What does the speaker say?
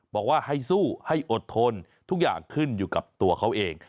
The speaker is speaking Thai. บอกว่าให้สู้ให้อดทนทุกอย่างขึ้นอยู่กับตัวเขาเอง